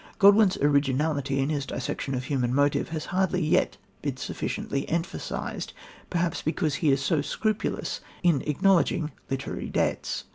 Godwin's originality in his dissection of human motive has hardly yet been sufficiently emphasised, perhaps because he is so scrupulous in acknowledging literary debts.